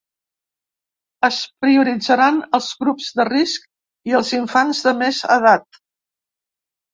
Es prioritzaran els grups de risc, i els infants de més edat.